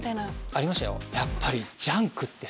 ありましたよ。